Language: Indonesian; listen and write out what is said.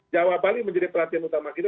jawa bali menjadi perhatian utama kita